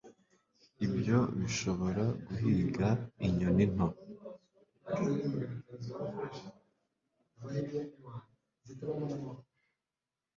Ibyo bishobora guhiga inyoni nto